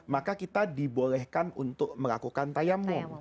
maka kita dibolehkan untuk melakukan tayamum